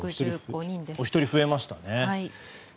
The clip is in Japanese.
お一人増えました。